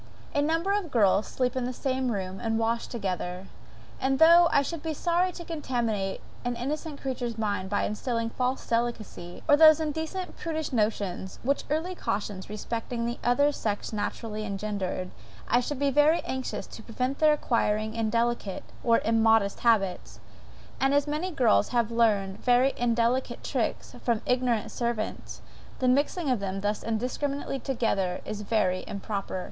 A number of girls sleep in the same room, and wash together. And, though I should be sorry to contaminate an innocent creature's mind by instilling false delicacy, or those indecent prudish notions, which early cautions respecting the other sex naturally engender, I should be very anxious to prevent their acquiring indelicate, or immodest habits; and as many girls have learned very indelicate tricks, from ignorant servants, the mixing them thus indiscriminately together, is very improper.